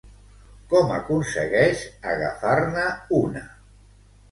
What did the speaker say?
Com aconsegueix agafar-ne una?